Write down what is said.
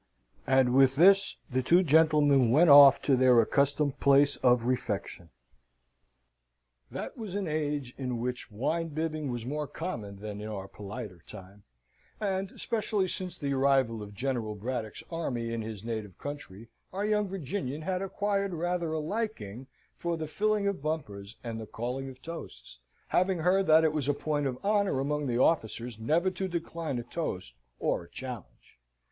And with this the two gentlemen went off to their accustomed place of refection. That was an age in which wine bibbing was more common than in our politer time; and, especially since the arrival of General Braddock's army in his native country, our young Virginian had acquired rather a liking for the filling of bumpers and the calling of toasts; having heard that it was a point of honour among the officers never to decline a toast or a challenge.